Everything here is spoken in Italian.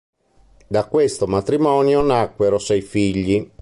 Da questo matrimonio nacquero sei figli.